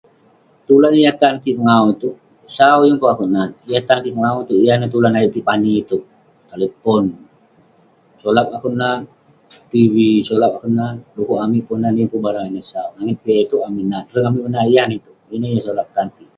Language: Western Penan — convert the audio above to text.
Tulan yah tan kik pengawu itouk, sau yeng pun akouk nat..yah tan kik pengawu itouk yah neh tulan ayuk kik pani itouk. solap akouk nat tv,solap akouk nat..de'kuk amik ponan yeng pun barang konak itouk sau. Langit piak itouk amik nat..Reng amik menart yan neh itouk..Ineh yah solap tan kik.